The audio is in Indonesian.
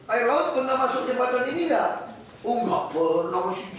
air laut pernah masuk jembatan ini enggak